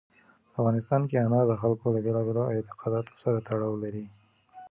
په افغانستان کې انار د خلکو له بېلابېلو اعتقاداتو سره تړاو لري.